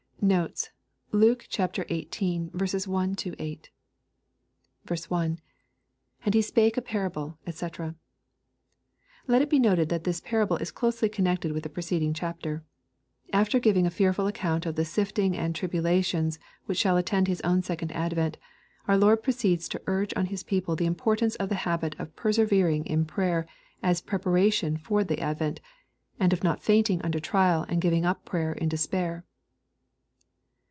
Notes. Luke XVIII. 1—8. 1. — [And He spake a parable, dec] Let it be noted that this parable is closely connected with the preceding chapter. After giving a fearful account of the sifting and tribulations which shall attend His own second advent, our Lord proceeds to urge on His people the importance of the habit of persevering in prayer as a prepara tion for the advent, and of not fainting under trial and giving up prayer in despair.